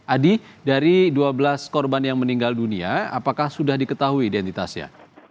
adi dari dua belas korban yang meninggal dunia apakah sudah diketahui identitasnya